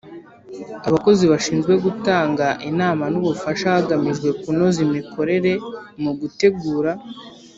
Abakozi bashinzwe gutanga inama n ubufasha hagamijwe kunoza imikorere mu gutegura